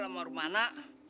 emang mau kemana